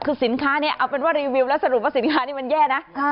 คือสินค้านี้เอาเป็นว่ารีวิวแล้วสรุปว่าสินค้านี่มันแย่นะ